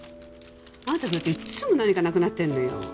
あなたが来るといっつも何かなくなってるのよ。